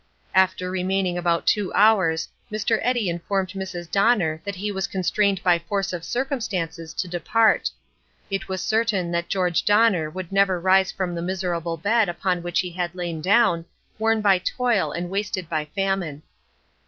After remaining about two hours, Mr. Eddy informed Mrs. Donner that he was constrained by force of circumstances to depart. It was certain that George Donner would never rise from the miserable bed upon which he had lain down, worn by toil and wasted by famine.